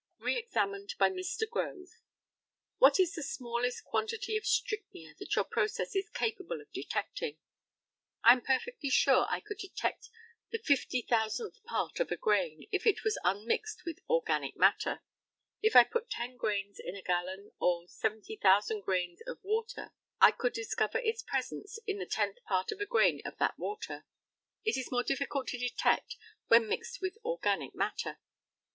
Re examined by Mr. GROVE: What is the smallest quantity of strychnia that your process is capable of detecting? I am perfectly sure I could detect the 50,000th part of a grain if it was unmixed with organic matter. If I put 10 grains in a gallon or 70,000 grains of water I could discover its presence in the 10th part of a grain of that water. It is more difficult to detect when mixed with organic matter.